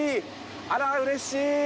あら、うれしい！